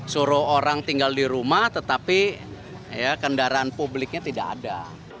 suruh orang tinggal di rumah tetapi kendaraan publiknya tidak ada